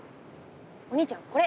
お兄ちゃんこれ！